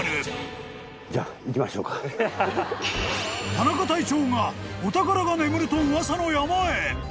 ［田中隊長がお宝が眠ると噂の山へ］